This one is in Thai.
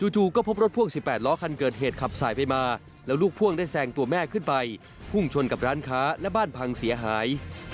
จู่ก็พบรถพ่วง๑๘ล้อคันเกิดเหตุขับสายไปมาแล้วลูกพ่วงได้แซงตัวแม่ขึ้นไปพุ่งชนกับร้านค้าและบ้านพังเสียหาย